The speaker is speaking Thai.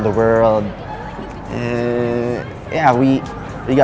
เยี่ยม